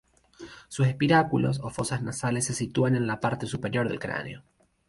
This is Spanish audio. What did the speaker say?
Sus espiráculos, o fosas nasales, se sitúan en la parte superior del cráneo.